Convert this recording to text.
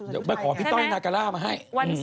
เดี๋ยวไปขอพี่ต้อยนาการ่ามาให้